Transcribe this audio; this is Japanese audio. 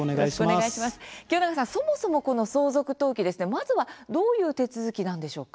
清永さん、そもそもこの相続登記ですね、まずはどういう手続きなんでしょうか？